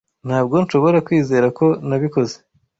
Ntabwo nshobora kwizera ko nabikoze.